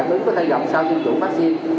những phản ứng có thể gặp sau tiêm chủng vaccine